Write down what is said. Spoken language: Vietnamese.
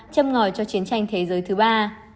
châm ngòi cho chiến tranh thế giới thứ ba